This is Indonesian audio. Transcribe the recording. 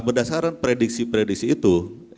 berdasarkan prediksi prediksi itu